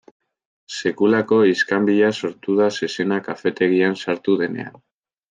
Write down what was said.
Sekulako iskanbila sortu da zezena kafetegian sartu denean.